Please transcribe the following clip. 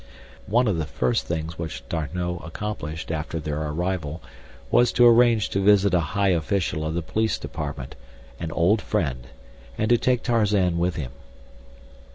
One of the first things which D'Arnot accomplished after their arrival was to arrange to visit a high official of the police department, an old friend; and to take Tarzan with him.